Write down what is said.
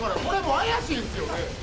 これも怪しいですよね？